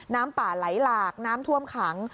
น้ำป่าไหลหลากน้ำท่วมขัง